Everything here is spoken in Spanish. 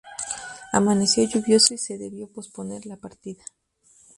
Amaneció lluvioso y se debió posponer la partida.